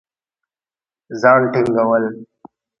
ځان ټينګول